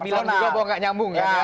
cepat bilang juga bahwa gak nyambung ya